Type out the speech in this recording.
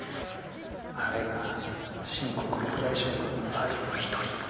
あれが秦国六大将軍の最後の１人。